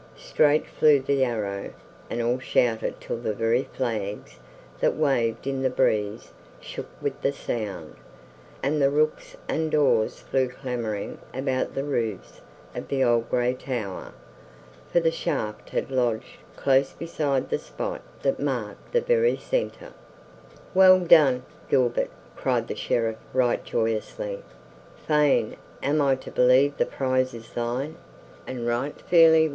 Straight flew the arrow, and all shouted till the very flags that waved in the breeze shook with the sound, and the rooks and daws flew clamoring about the roofs of the old gray tower, for the shaft had lodged close beside the spot that marked the very center. "Well done, Gilbert!" cried the Sheriff right joyously. "Fain am I to believe the prize is thine, and right fairly won.